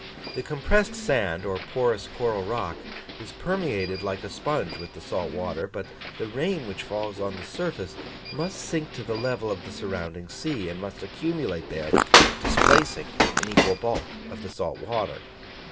The compressed sand, or porous coral rock, is permeated like a sponge with the salt water, but the rain which falls on the surface must sink to the level of the surrounding sea, and must accumulate there, displacing an equal bulk of the salt water.